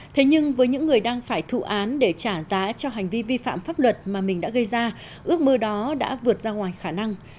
thế nhưng với những người đang phải thụ án để trả giá cho hành vi vi phạm pháp luật mà mình đã gây ra ước mơ đó đã vượt ra ngoài khả năng